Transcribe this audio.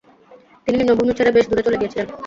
তিনি নিম্নভূমি ছেড়ে বেশ দূরে চলে গিয়েছিলেন।